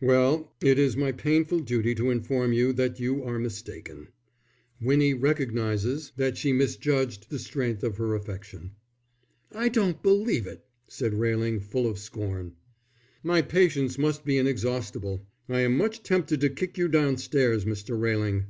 "Well, it is my painful duty to inform you that you are mistaken. Winnie recognizes that she misjudged the strength of her affection." "I don't believe it," said Railing, full of scorn. "My patience must be inexhaustible. I am much tempted to kick you downstairs, Mr. Railing."